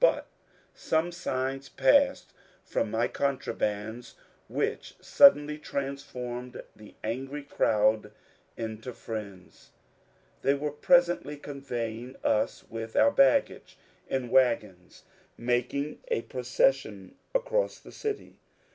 But some signs passed from my ^^ contrabands " which suddenly transformed the angry crowd into friends; they were pre sently conveying us with our baggage in wagons, making a EXPERIENCES IN BALTIMORE 861 procession across the city.